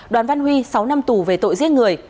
đoàn văn huy sáu năm tù về tội giết người